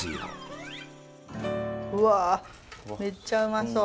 うわめっちゃうまそう。